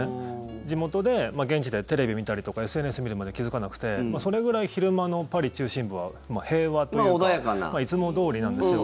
地元で、現地でテレビ見たりとかＳＮＳ見るまで気付かなくてそれぐらい昼間のパリ中心部は平和というか。いつもどおりなんですよ。